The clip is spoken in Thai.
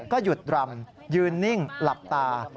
ก็หยุดรำยืนนิ่งหลับตา